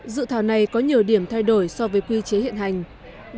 dự thảo này có nhiều điểm thay đổi so với quy chế của hà nội